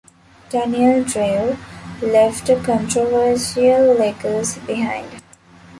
Daniel Drew left a controversial legacy behind.